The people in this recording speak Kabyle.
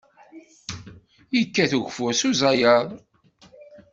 Yekkat ugeffur s uzayaḍ.